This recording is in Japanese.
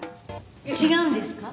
違うんですか？